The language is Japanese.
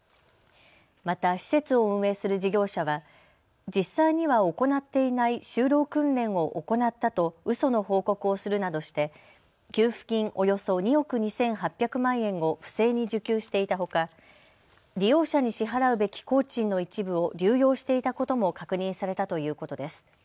また施設を運営する事業者は実際には行っていない就労訓練を行ったとうその報告をするなどして給付金およそ２億２８００万円を不正に受給していたほか利用者に支払うべき工賃の一部を流用していたことも確認されたということです。